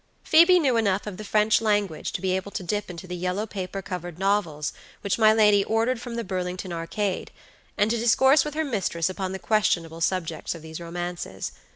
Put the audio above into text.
Phoebe knew enough of the French language to be able to dip into the yellow paper covered novels which my lady ordered from the Burlington Arcade, and to discourse with her mistress upon the questionable subjects of these romances.